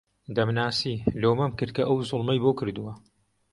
دەمناسی، لۆمەم کرد کە ئەو زوڵمەی بۆ کردووە